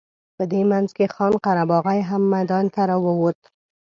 په دې منځ کې خان قره باغي هم میدان ته راووت.